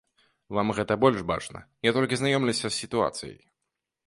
Вам гэта больш бачна, я толькі знаёмлюся з сітуацыяй.